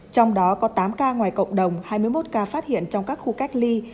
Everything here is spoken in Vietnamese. trong đó có tám ca ngoài cộng đồng hai mươi một ca phát hiện trong các khu cách ly